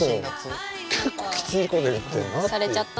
結構きついこと言ってるなって。